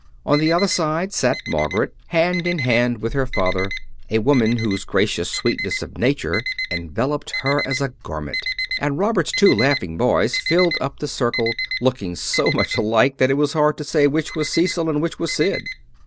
On the other side sat Margaret, hand in hand with her father, a woman whose gracious sweetness of nature enveloped her as a garment; and Robert's two laughing boys filled up the circle, looking so much alike that it was hard to say which was Cecil and which was Sid.